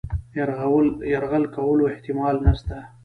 یرغل کولو احتمال نسته.